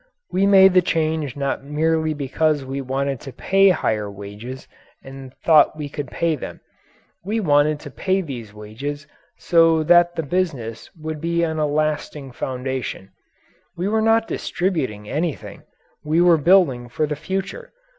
We made the change not merely because we wanted to pay higher wages and thought we could pay them. We wanted to pay these wages so that the business would be on a lasting foundation. We were not distributing anything we were building for the future.